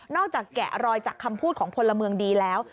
นอกจากแกะรอยจากคำพูดของโผล่เมืองดีแล้ว